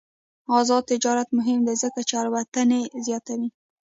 آزاد تجارت مهم دی ځکه چې الوتنې زیاتوي.